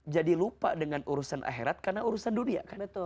jadi lupa dengan urusan akhirat karena urusan dunia